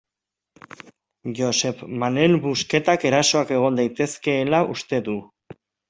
Josep Manel Busquetak erasoak egon daitezkeela uste du.